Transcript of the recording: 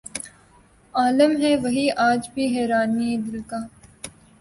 عالم ہے وہی آج بھی حیرانئ دل کا